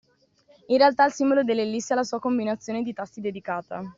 In realtà il simbolo dell’ellissi ha la sua combinazione di tasti dedicata.